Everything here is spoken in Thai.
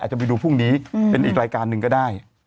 จะไปดูพรุ่งนี้เป็นอีกรายการหนึ่งก็ได้